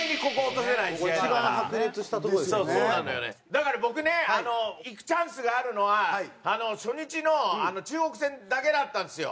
だから僕ね行くチャンスがあるのは初日の中国戦だけだったんですよ。